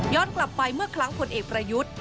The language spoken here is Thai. กลับไปเมื่อครั้งผลเอกประยุทธ์